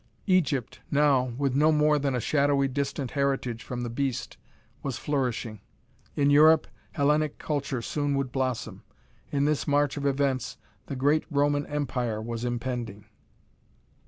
Egypt, now, with no more than a shadowy distant heritage from the beast, was flourishing. In Europe, Hellenic culture soon would blossom. In this march of events, the great Roman Empire was impending.